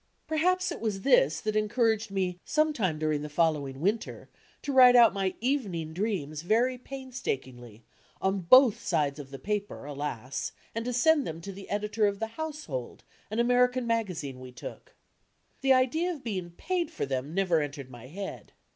Perhaps it was this that encouraged me sometime dur ing the following winter to write out my "Evening Dreams" very painstakingly on both sides of the paper, alas! and to send them to the editor of The Household, an American magazine we took. The idea of being paid for them never entered my head.